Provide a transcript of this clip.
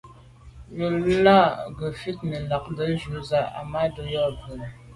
Bú lá' gə́ fít nə̀ lɑgdə̌ jú zə̄ Ahmadou rə̂ bú.